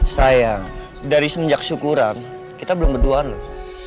sayang dari semenjak syukuran kita belum berduaan loh